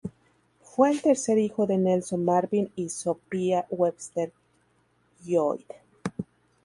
Fue el tercer hijo de Nelson Marvin y Sophia Webster Lloyd.